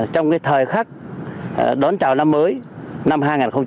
trong thời khắc đón chào năm mới năm hai nghìn hai mươi